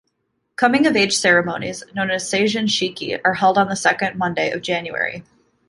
Coming-of-age ceremonies, known as "seijin shiki", are held on the second Monday of January.